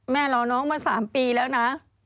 รอน้องมา๓ปีแล้วนะ